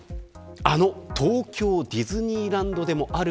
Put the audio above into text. あの東京ディズニーランドでもある